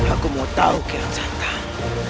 aku mau tahu kian jatah